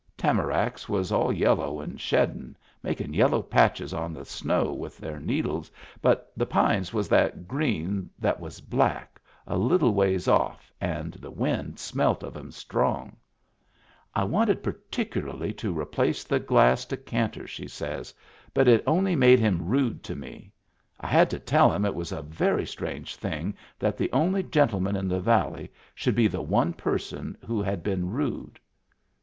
Tamaracks was all yello* and sheddin*, makin' yello' patches on the snow with their needles, but the pines was that green they was black a little ways off, and the wind smelt of *em strong. " I wanted particularly to replace the glass de canter," she says, " but it only made him rude to tne. I had to tell him it was a very strange thing that the only gentleman in the valley should be the one person who had been rude."